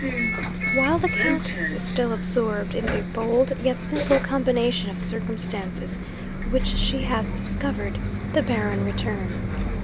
'While the Countess is still absorbed in the bold yet simple combination of circumstances which she has discovered, the Baron returns.